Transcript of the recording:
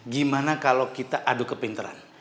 gimana kalau kita adu kepinteran